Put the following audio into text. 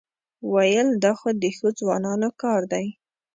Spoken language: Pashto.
وېل دا خو د ښو ځوانانو کار دی.